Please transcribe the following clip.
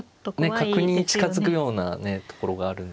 角に近づくようなねところがあるんで。